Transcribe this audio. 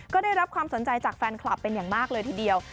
ก็ได้รับความสนใจจากแฟนคลับเป็นอย่างมากเลยทีเดียว